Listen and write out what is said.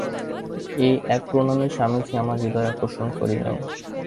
এই এক প্রণামেই স্বামীজী আমার হৃদয় আকর্ষণ করিলেন।